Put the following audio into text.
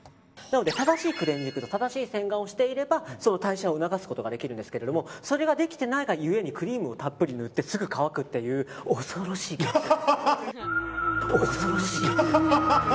正しいクレンジングと正しい洗顔をしていれば代謝を促すことができるんですけれどもそれができてないがゆえにクリームをたっぷり塗ってすぐ乾くっていう恐ろしい現象。